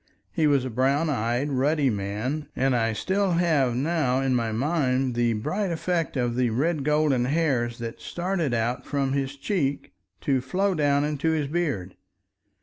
He was a brown eyed ruddy man, and I still have now in my mind the bright effect of the red golden hairs that started out from his cheek to flow down into his beard.